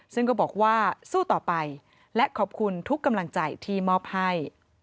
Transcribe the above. ซึ่งก็บอกว่าสู้ต่อไปและขอบคุณทุกกำลังใจที่มอบให้